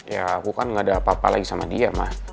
ya aku kan gak ada apa apa lagi sama dia mah